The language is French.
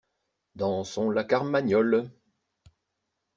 Dansons la Carmagnole!